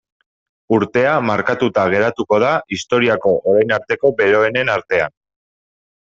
Urtea markatuta geratuko da historiako orain arteko beroenen artean.